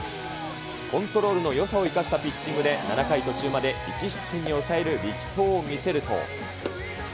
コントロールのよさを生かしたピッチングで、７回途中まで１失点に抑える力投を見せると。